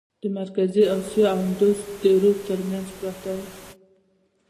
د مرکزي آسیا او اندوس د رود ترمنځ پرته وه.